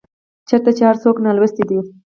چيرته چي هر څوک نالوستي دي